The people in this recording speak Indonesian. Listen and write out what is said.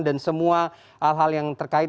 dan semua hal hal yang terkait